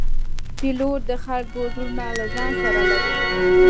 پیلوټ د خلکو زړونه له ځان سره لري.